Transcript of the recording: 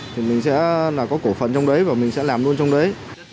thì mình sẽ là có cổ phần trong đấy và mình sẽ làm luôn trong đấy